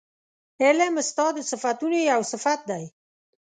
علم ستا د صفتونو یو صفت دی